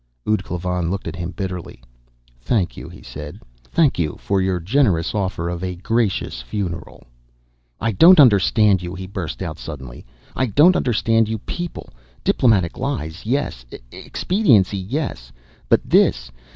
Ud Klavan looked at him bitterly. "Thank you," he said. "Thank you for your generous offer of a gracious funeral. "I don't understand you!" he burst out suddenly. "I don't understand you people! Diplomatic lies, yes. Expediency, yes! But this